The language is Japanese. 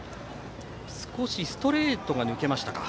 少しストレートが抜けましたか。